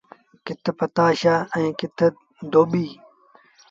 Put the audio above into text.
ڪٿ بآتشآه ائيٚݩ ڪٿ ڌوٻيٚ۔